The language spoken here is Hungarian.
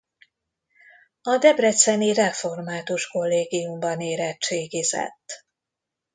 A Debreceni Református Kollégiumban érettségizett.